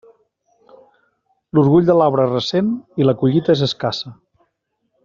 L'orgull de l'arbre es ressent i la collita és escassa.